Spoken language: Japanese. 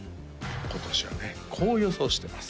今年はねこう予想してます